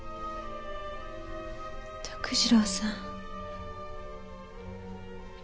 徳次郎さん。